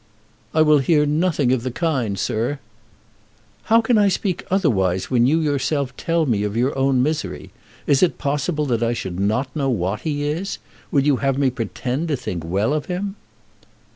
"I will hear nothing of the kind, sir." "How can I speak otherwise when you yourself tell me of your own misery? Is it possible that I should not know what he is? Would you have me pretend to think well of him?"